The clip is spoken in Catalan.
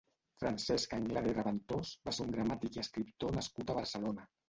Francesc Anglada i Reventós va ser un gramàtic i escriptor nascut a Barcelona.